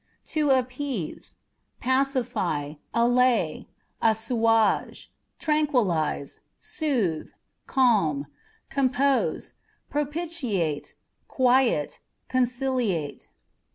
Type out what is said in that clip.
To Appease â€" pacify, allay, assuage, tranquillize, soothe, calm, compose, propitiate, quiet, conciliate.